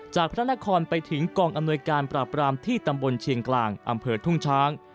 พระนครไปถึงกองอำนวยการปราบรามที่ตำบลเชียงกลางอำเภอทุ่งช้าง